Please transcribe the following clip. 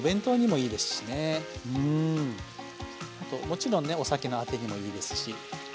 もちろんねお酒のあてにもいいですし。